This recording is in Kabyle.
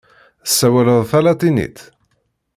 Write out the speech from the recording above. Tessawaleḍ talatinit?